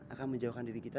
akan menjauhkan diri kita